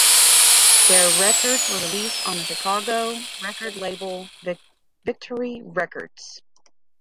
Their records were released on the Chicago record label, Victory Records.